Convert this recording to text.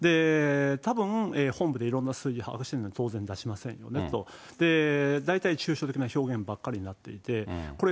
たぶん本部でいろんな数字、把握しているの当然出しませんよねと、大体抽象的な表現ばかりになっていて、これ、